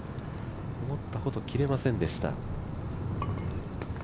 思ったほど切れませんでした。